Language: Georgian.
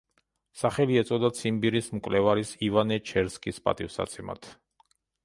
სახელი ეწოდა ციმბირის მკვლევარის ივანე ჩერსკის პატივსაცემად.